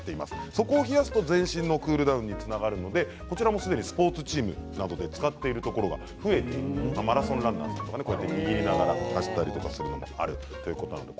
そこを冷やすと全身のクールダウンにつながるのでスポーツチームなどで使っているところが増えてマラソンランナーとかね握りながら走ったりとかするのもあるということです。